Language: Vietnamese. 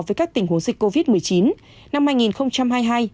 với các tình huống dịch covid một mươi chín năm hai nghìn hai mươi hai hai nghìn hai mươi ba